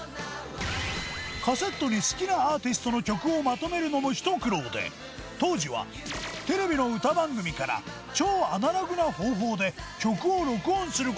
カセットに好きなアーティストの曲をまとめるのもひと苦労で当時はテレビの歌番組から超アナログな方法で曲を録音する事も